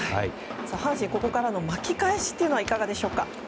阪神、ここからの巻き返しはいかがでしょうか。